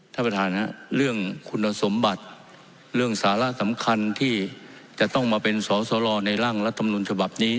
ท่านประธานครับเรื่องคุณสมบัติเรื่องสาระสำคัญที่จะต้องมาเป็นสอสรในร่างรัฐมนุนฉบับนี้